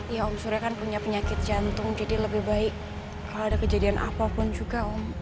ya om surya kan punya penyakit jantung jadi lebih baik kalau ada kejadian apapun juga om